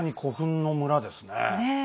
ねえ。